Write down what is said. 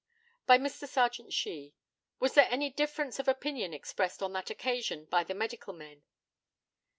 By Mr. Serjeant SHEE: Was there any difference of opinion expressed on that occasion by the medical men?